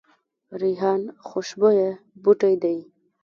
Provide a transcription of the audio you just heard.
ریحان خوشبویه بوټی دی